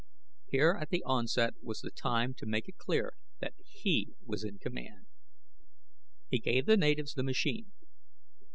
Here at the onset was the time to make it clear that he was in command. He gave the natives the machine.